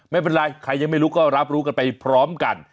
ไม่เป็นไรใครยังไม่รู้ก็รับรู้กันไปพร้อมกัน